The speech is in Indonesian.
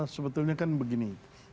sebetulnya kan begini